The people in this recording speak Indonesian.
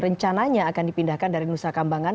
rencananya akan dipindahkan dari nusa kambangan